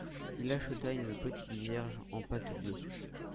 Il acheta une petite Vierge en pâte bleue.